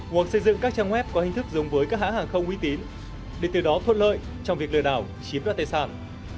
hoặc xây dựng các trang web có hình thức dùng với các hãng hàng không uy tín để từ đó thuận lợi trong việc lừa đảo chiếm đoạt tài sản